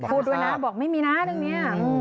พูดด้วยนะบอกไม่มีนะเรื่องนี้